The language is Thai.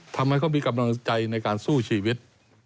ทำให้เขามีกำลังใจในการสู้ชีวิต